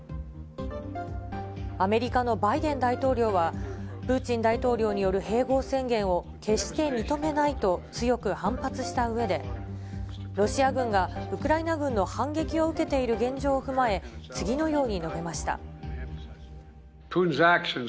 アメリカのバイデン大統領は、プーチン大統領による併合宣言を決して認めないと、強く反発したうえで、ロシア軍がウクライナ軍の反撃を受けている現状を踏まえ、次のように述べました。